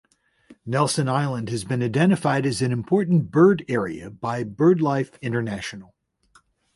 Nelson Island has been identified as an Important Bird Area by BirdLife International.